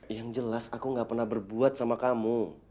yang jelas aku gak pernah berbuat sama kamu